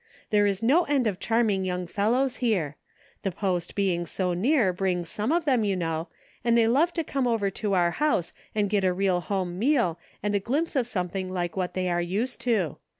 There are no end of charming young fellows here. The Post being so near brings some of them, you know, and they love to come over to oiu house and get a real home meal and a glimpse of something like what they are used to.